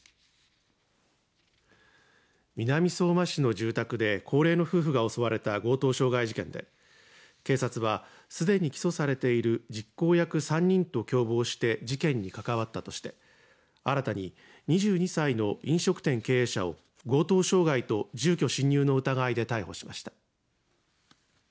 南相馬市の住宅で高齢の夫婦が襲われた強盗傷害事件で警察はすでに起訴されている実行役３人と共謀して事件に関わったとして新たに２２歳の飲食店経営者を強盗傷害と住居侵入の疑いで逮捕しました。